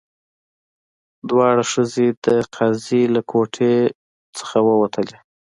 دواړه ښځې د قاضي له کوټې نه ووتلې.